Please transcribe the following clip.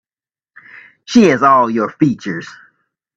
She has all your features.